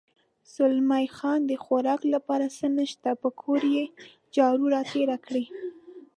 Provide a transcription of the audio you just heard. زلمی خان: د خوراک لپاره څه نشته، پر کور یې جارو را تېر کړی.